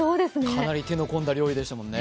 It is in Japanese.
かなり手の込んだ料理でしたもんね。